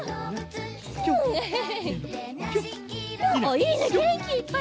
いいねげんきいっぱい！